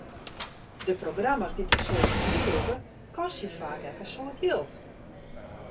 De programma's dy't in soad publyk lûke, kostje faak ek in soad jild.